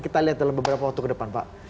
kita lihat dalam beberapa waktu ke depan pak